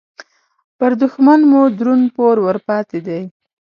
پر دوښمن مو درون پور ورپاتې دې